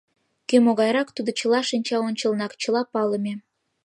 Кӧ могайрак, тудо чыла шинчаончылнак — чыла палыме.